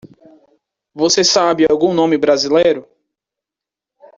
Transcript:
Você sabe algum nome brasileiro?